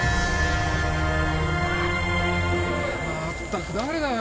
まったく誰だよ？